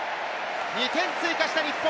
２点追加した日本。